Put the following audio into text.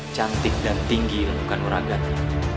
cantik dan tinggi ilmukan orang gadis